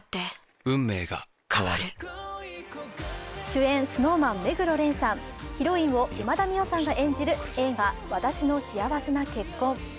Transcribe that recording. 主演、ＳｎｏｗＭａｎ・目黒蓮さんヒロインを今田美桜さんが演じる映画「わたしの幸せな結婚」。